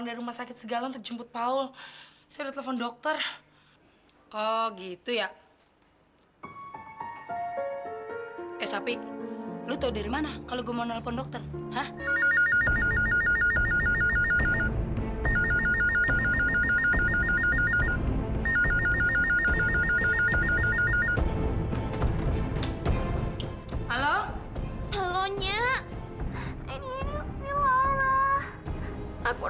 sampai jumpa di video selanjutnya